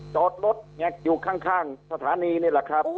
จอดรถอยู่ข้างสถานีนี่แหละครับ